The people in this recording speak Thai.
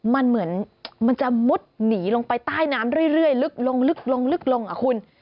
มันเหมือนมันจะมุดหนีลงไปใต้น้ำเรื่อยลึกลงลึกลงลึกลงอ่ะคุณ